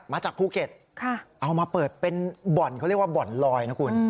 มาจากภูเก็ตเอามาเปิดเป็นบ่อนเขาเรียกว่าบ่อนลอยนะคุณ